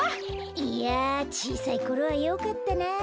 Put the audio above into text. いやちいさいころはよかったな。